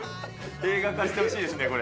映画化してほしいですね、これ。